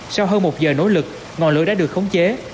sau hơn một giờ nỗ lực ngọn lửa đã được khống chế